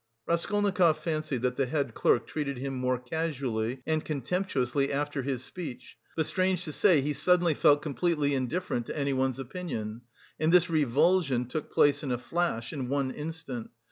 Raskolnikov fancied that the head clerk treated him more casually and contemptuously after his speech, but strange to say he suddenly felt completely indifferent to anyone's opinion, and this revulsion took place in a flash, in one instant.